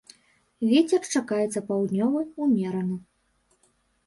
Вецер чакаецца паўднёвы, умераны.